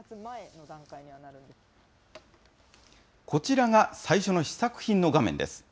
こちらが最初の試作品の画面です。